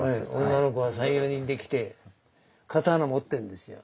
女の子が３４人で来て刀持ってるんですよ。